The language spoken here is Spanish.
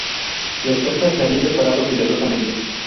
Los persas se habían preparado cuidadosamente.